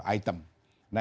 jadi kita bisa memperbanyak